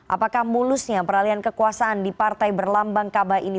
apakah mulusnya peralian kekuasaan di partai berlambang kabah ini